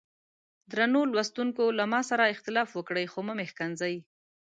درنو لوستونکو له ما سره اختلاف وکړئ خو مه مې ښکنځئ.